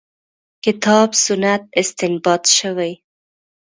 کتاب سنت استنباط شوې.